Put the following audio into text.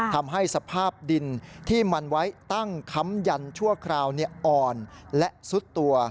ทำให้สภาพดินที่มันไว้ตั้งค้ำยันชั่วคราวอ่อนและซุดตัว